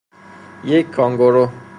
یک کانگورو